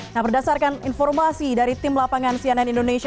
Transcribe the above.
nah berdasarkan informasi dari tim lapangan cnn indonesia